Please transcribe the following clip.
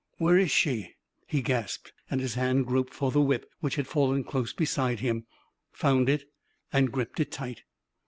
" Where is she ?" he gasped, and his hand groped for the whip, which had fallen close beside him, found it, and grabbed it tight.